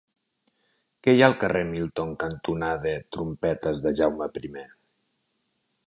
Què hi ha al carrer Milton cantonada Trompetes de Jaume I?